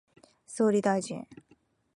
総理大臣